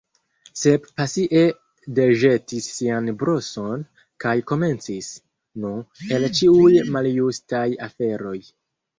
Sep pasie deĵetis sian broson, kaj komencis. "Nu, el ĉiuj maljustaj aferoj…"